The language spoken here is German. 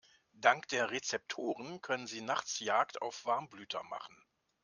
Dank der Rezeptoren können sie nachts Jagd auf Warmblüter machen.